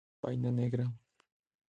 Vaina negra.